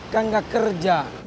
kan gak kerja